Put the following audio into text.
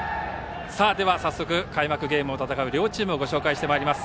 早速開幕ゲームを戦う両チームをご紹介します。